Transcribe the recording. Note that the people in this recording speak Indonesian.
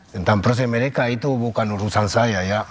tentang proses mereka itu bukan urusan saya ya